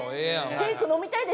シェイク飲みたいでしょ？